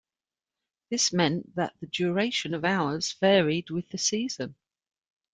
This meant that the duration of hours varied with the season.